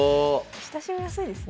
親しみやすいですね。